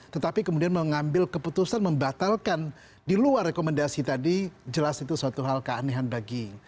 tetapi kemudian mengambil keputusan membatalkan di luar rekomendasi tadi jelas itu suatu hal keanehan bagi